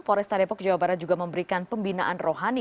poresta depok jawa barat juga memberikan pembinaan rohani